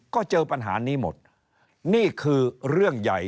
ก็เจอปัญหานี้หมดนี่คือเรื่องใหญ่